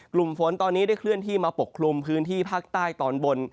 กลุ่มฝนตอนนี้ได้เคลื่อนที่มาปกคลุมพื้นที่ภาคใต้ตอนบน